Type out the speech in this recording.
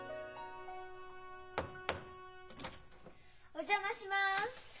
お邪魔します。